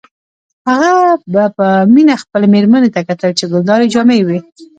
هغه به په مینه خپلې میرمنې ته کتل چې ګلدارې جامې یې وې